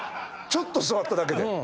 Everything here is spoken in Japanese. ちょっと座っただけで。